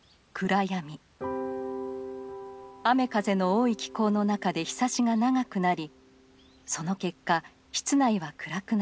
雨風の多い気候の中でひさしが長くなりその結果室内は暗くなった。